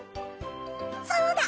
そうだ！